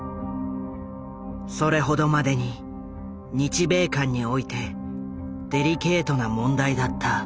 それほどまでに日米間においてデリケートな問題だった。